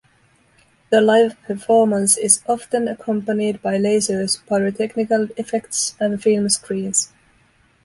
The live performance is often accompanied by lasers, pyrotechnical effects and film screens.